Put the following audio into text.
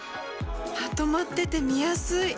まとまってて見やすい！